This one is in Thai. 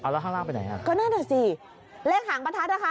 แล้วข้างล่างไปไหนอ่ะก็นั่นอ่ะสิเลขหางประทัดนะคะ